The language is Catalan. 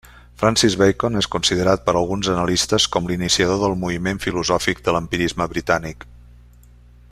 Francis Bacon és considerat per alguns analistes com l'iniciador del moviment filosòfic de l'empirisme britànic.